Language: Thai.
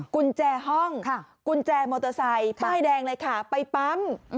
กุญแจห้องกุญแจมอเตอร์ไซค์ป้ายแดงเลยค่ะไปปั๊ม